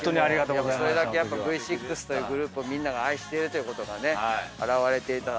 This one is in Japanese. それだけやっぱＶ６というグループをみんなが愛しているということがね表れていた